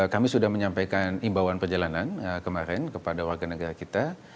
kami sudah menyampaikan imbauan perjalanan kemarin kepada warga negara kita